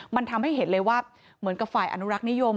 มันทำให้เห็นเลยว่าเหมือนกับฝ่ายอนุรักษ์นิยม